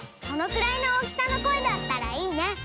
そのくらいの大きさの声だったらいいね。